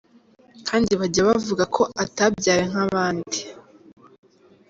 Kandi bajya bavuga ko atabyawe nk’abandi!”.